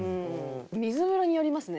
水風呂によりますね。